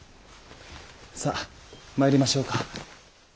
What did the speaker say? さっ参りましょうか。